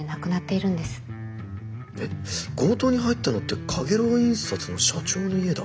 えっ強盗に入ったのってかげろう印刷の社長の家だ。